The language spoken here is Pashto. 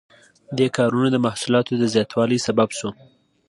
دې کارونو د محصولاتو د زیاتوالي سبب شو.